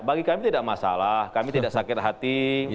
bagi kami tidak masalah kami tidak sakit hati